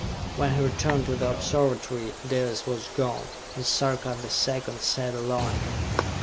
When he returned to the Observatory, Dalis was gone, and Sarka the Second sat alone.